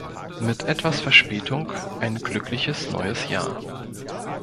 Mit etwas Verspätung, ein glückliches neues Jahr.